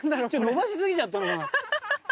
延ばし過ぎちゃったのかな？